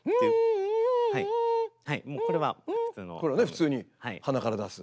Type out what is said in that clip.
普通に鼻から出す。